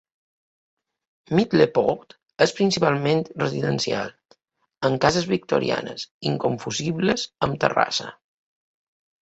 Middleport és principalment residencial, amb cases victorianes inconfusibles amb terrassa.